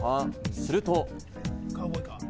すると。